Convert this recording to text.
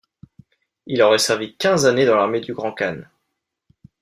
Il aurait servi quinze années dans l’armée du grand khan.